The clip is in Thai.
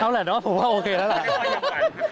เอาแหละเนอะผมว่าโอเคแล้วล่ะ